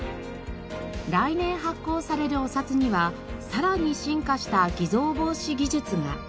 来年発行されるお札にはさらに進化した偽造防止技術が。